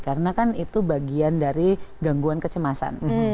karena kan itu bagian dari gangguan kecemasan